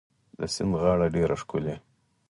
د سیند غاړه ډيره ښکلې